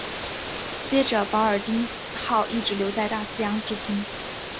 接着保尔丁号一直留在大西洋执勤。